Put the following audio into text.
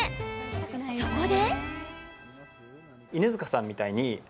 そこで。